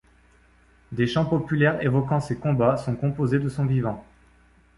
Des chants populaires évoquant ses combats son composés de son vivant.